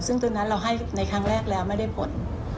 ซึ่งตอนนั้นเราให้ในครั้งแรกแล้วไม่ได้ผล